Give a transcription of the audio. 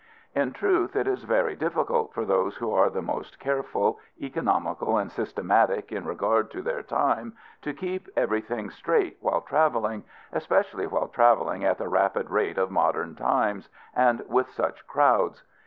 In truth, it is very difficult for those who are the most careful, economical, and systematic in regard to their time, to keep everything straight while traveling, especially while traveling at the rapid rate of modern times, and with such crowds.